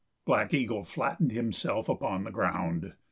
Black Eagle flattened himself upon the ground.